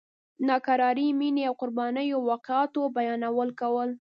د ناکرارې مینې او قربانیو واقعاتو بیانونه کول.